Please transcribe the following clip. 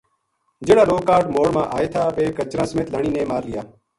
جہڑا لوک کاہڈ موڑ ما آئے تھا ویہ کچراں سمیت لانی نے مار لیا